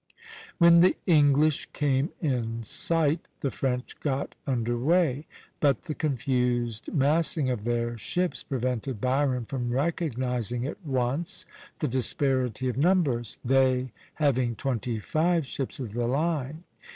When the English came in sight, the French got under way; but the confused massing of their ships prevented Byron from recognizing at once the disparity of numbers, they having twenty five ships of the line.